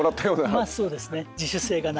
まあそうですね。